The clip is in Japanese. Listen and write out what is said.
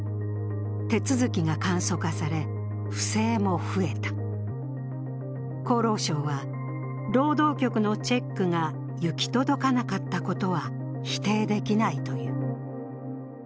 手続きが簡素化され、不正も増えた厚労省は、労働局のチェックが行き届かなかったことは否定できないという。